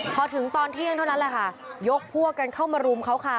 พอถึงตอนเที่ยงเท่านั้นแหละค่ะยกพวกกันเข้ามารุมเขาค่ะ